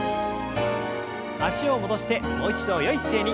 脚を戻してもう一度よい姿勢に。